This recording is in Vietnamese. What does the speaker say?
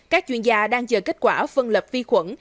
các chuyên gia đang chờ kết quả phân lập vi khuẩn